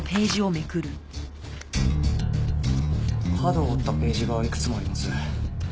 角を折ったページがいくつもあります。